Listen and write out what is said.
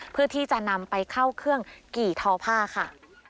เพื่อที่จะนำไปเข้าเครื่องกี่ทอผ้าค่ะ